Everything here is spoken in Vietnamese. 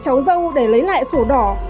cháu dâu để lấy lại sổ đỏ